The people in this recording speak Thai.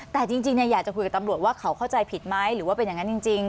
แต่จริงอยากจะคุยกับตำรวจว่าเขาเข้าใจผิดไหมหรือว่าเป็นอย่างนั้นจริง